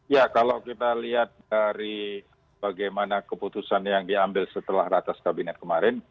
ya kalau kita lihat dari bagaimana keputusan yang diambil setelah ratas kabinet kemarin